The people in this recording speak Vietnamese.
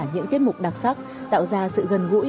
những tiết mục đặc sắc tạo ra sự gần gũi